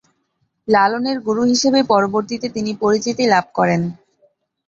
লালনের গুরু হিসেবেই পরবর্তীতে তিনি পরিচিতি লাভ করেন।